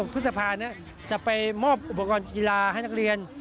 พฤษภาจะไปมอบอุปกรณ์กีฬาให้นักเรียน